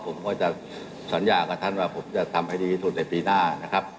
ผมก็จะสัญญากับท่านว่าผมจะทำให้ดีที่สุดในปีหน้านะครับ